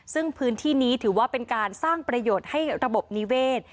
ซึ่งพื้นที่นี้ถือว่าเป็นการสร้างประโยชน์ให้ระบบนิเวศ